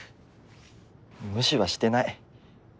無視はしてない。